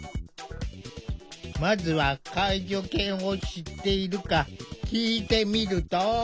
まずは介助犬を知っているか聞いてみると。